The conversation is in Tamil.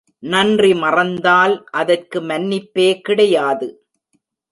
நன்றி மறந்தால் அதற்கு மன்னிப்பே கிடையாது.